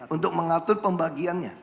untuk mengatur pembagiannya